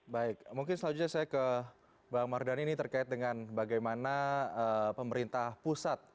baik mungkin selanjutnya saya ke bang mardhani ini terkait dengan bagaimana pemerintah pusat